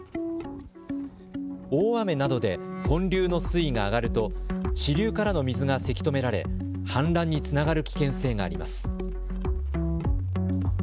大雨などで本流の水位が上がると支流からの水がせき止められ氾濫につながる危険性があります。